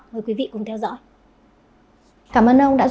mời quý vị cùng theo dõi